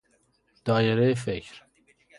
دایره فکر